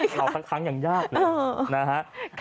เหล่าทั้งอย่างยากเลยนะฮะ